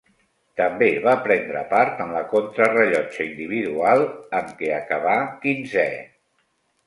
També va prendre part en la contrarellotge individual, en què acabà quinzè.